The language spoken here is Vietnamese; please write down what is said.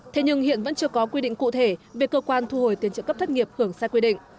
thế nhưng hiện vẫn chưa có quy định cụ thể về cơ quan thu hồi tiền trợ cấp thất nghiệp hưởng sai quy định